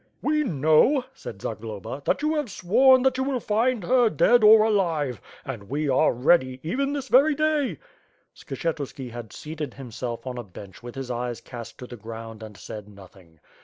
"We know," said Zagloba, "that you have sworn that you will find her, dead or alive; and we are ready, even this very day. ..." Skshetuski had seated himself on a bench with his eyes east to the ground and said nothing.